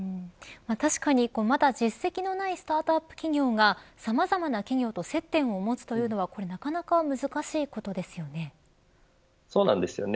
確かに、まだ実績のないスタートアップ企業がさまざまな企業と接点を持つというのはそうなんですよね。